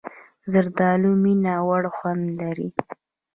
زردالو مینهوړ خوند لري.